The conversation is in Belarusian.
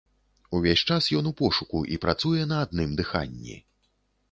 Увесь час ён у пошуку і працуе на адным дыханні.